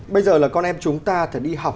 bây giờ là con em chúng ta đi học